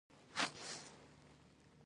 د خبر د سانسور هڅې وشوې.